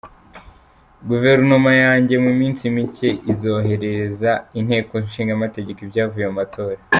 Guverinoma yanjye mu minsi mike izoherereza Inteko Ishinga Amategeko ibyavuye mu matora.